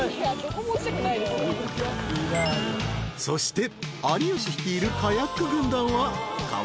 ［そして有吉率いるカヤック軍団は川の上流へ］